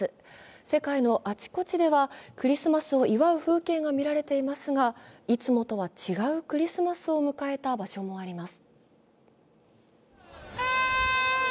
世界のあちこちではクリスマスを祝う風景が見られていますが、いつもとは違うクリスマスを迎えた場所もあります。